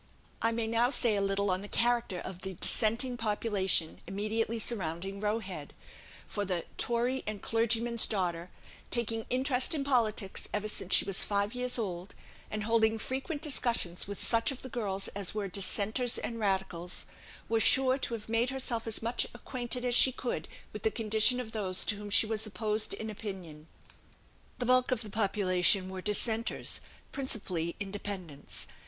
I may now say a little on the character of the Dissenting population immediately surrounding Roe Head; for the "Tory and clergyman's daughter," "taking interest in politics ever since she was five years old," and holding frequent discussions with such of the girls as were Dissenters and Radicals, was sure to have made herself as much acquainted as she could with the condition of those to whom she was opposed in opinion. The bulk of the population were Dissenters, principally Independents.